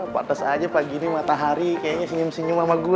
patah saja pagi ini matahari kayaknya senyum senyum sama gue